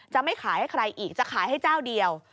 จะไม่ขายให้ใครอีกจะขายให้เจ้าเดียว